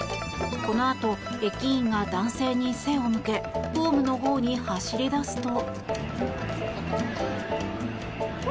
このあと駅員が男性に背を向けホームのほうに走り出すと。